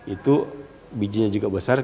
itu bijinya juga besar